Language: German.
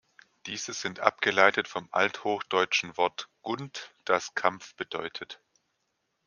Diese sind abgeleitet vom althochdeutschen Wort "gunt", das Kampf bedeutet.